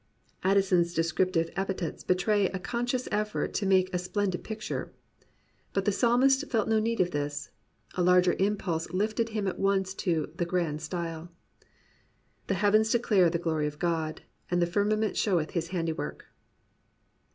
* Addison's descriptive epithets betray a conscious effort to make a splendid picture. But the psalmist felt no need of this; a larger impulse lifted him at once into "the grand style:" The heavens declare the glory of God; And the firmament showeth his handiwork.